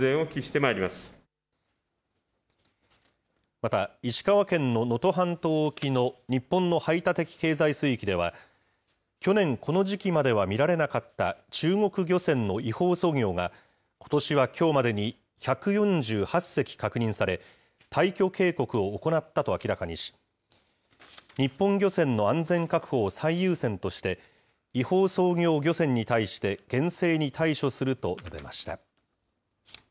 また、石川県の能登半島沖の日本の排他的経済水域では、去年、この時期までは見られなかった中国漁船の違法操業がことしはきょうまでに１４８隻確認され、退去警告を行ったと明らかにし、日本漁船の安全確保を最優先として、違法操業漁船に対して厳正に対処すると述べました。